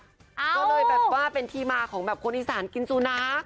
ก็เลยแบบว่าเป็นที่มาของแบบคนอีสานกินสุนัข